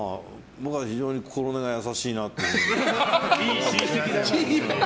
僕は非常に心根が優しいなって。